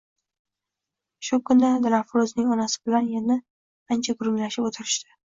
Shu kuni Dilafruzning onasi bilan yana ancha gurunglashib o`tirishdi